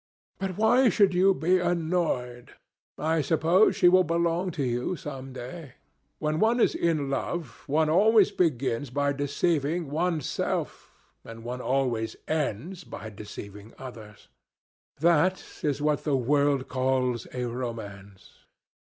"But why should you be annoyed? I suppose she will belong to you some day. When one is in love, one always begins by deceiving one's self, and one always ends by deceiving others. That is what the world calls a romance.